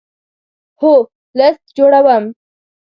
هو، لست جوړوم